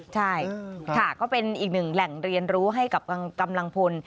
ใช่ค่ะก็เป็นอีกหนึ่งแหล่งเรียนรู้ให้กับกำลังพล